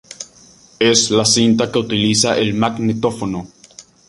Es la cinta que utiliza el magnetófono.